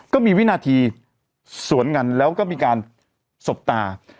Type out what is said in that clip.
วินาทีสวนกันแล้วก็มีการสบตา